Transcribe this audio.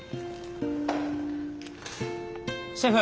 シェフ。